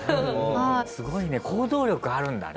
すごいね行動力あるんだね。